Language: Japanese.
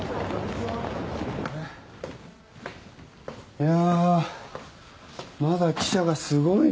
いやまだ記者がすごいね。